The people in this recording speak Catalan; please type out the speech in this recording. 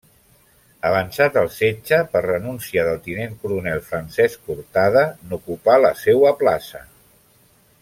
Avançat el setge, per renúncia del tinent coronel Francesc Cortada, n'ocupà la seua plaça.